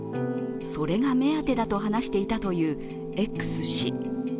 それが目当てだと話していたというＸ氏。